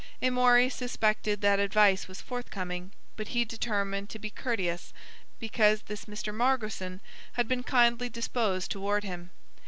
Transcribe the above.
Amory suspected that advice was forthcoming, but he determined to be courteous, because this Mr. Margotson had been kindly disposed toward him.